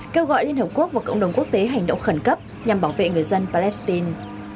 kêu gọi liên hợp quốc và cộng đồng quốc tế hành động khẩn cấp nhằm bảo vệ người dân palestine